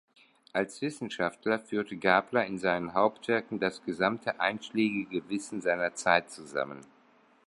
Als Wissenschaftler führte Gabler in seinen Hauptwerken das gesamte einschlägige Wissen seiner Zeit zusammen.